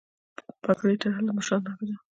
پګړۍ تړل د مشرانو نښه ده.